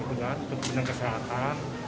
untuk kepentingan kesehatan